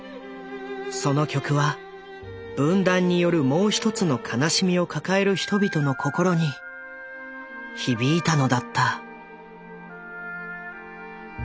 その曲は分断によるもう１つの悲しみを抱える人々の心に響いたのだった。